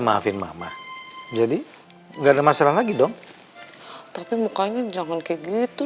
maafin mama jadi enggak ada masalah lagi dong tapi mukanya jagol kayak gitu